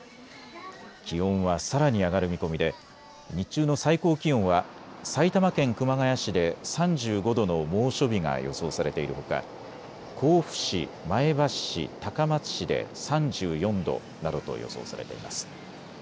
気温はさらに上がる見込みで日中の最高気温は埼玉県熊谷市で３５度の猛暑日が予想されているほか甲府市、前橋市、高松市で３４度などと予想されています。